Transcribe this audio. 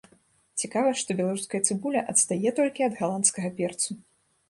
Цікава, што беларуская цыбуля адстае толькі ад галандскага перцу.